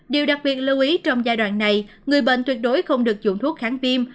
điều đặc biệt lưu ý trong giai đoạn này người bệnh tuyệt đối không được dùng thuốc kháng viêm